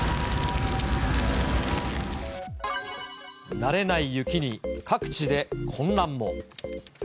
慣れない雪に各地で混乱も。